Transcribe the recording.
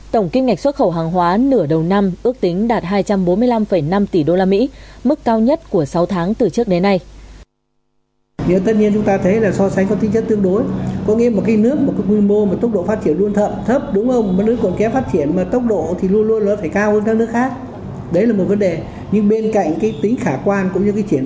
tổng kinh ngạch xuất khẩu hàng hóa nửa đầu năm ước tính đạt hai trăm bốn mươi năm năm tỷ usd mức cao nhất của sáu tháng từ trước đến nay